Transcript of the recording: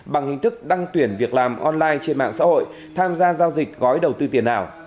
bằng hình thức đăng tuyển việc làm online trên mạng xã hội tham gia giao dịch gói đầu tư tiền ảo